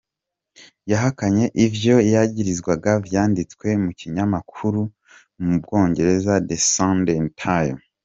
Yahakanye ivyo yagirizwa, vyanditswe mu kinyamakuru co mu Bwongereza, The Sunday Times.